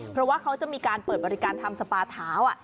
เพราะว่าเขาจะมีการเปิดบริการทำสปาเท้า